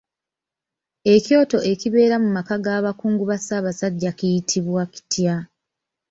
Ekyoto ekibeera mu maka ga bakungu ba Ssaabasajja kiyitibwa kitya?